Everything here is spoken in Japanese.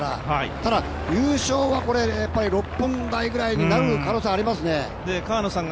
ただ優勝は６分台ぐらいになる可能性ありますね。